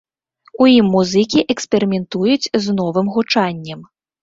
У ім музыкі эксперыментуюць з новым гучаннем.